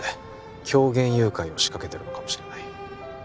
狂言誘拐を仕掛けてるのかもしれない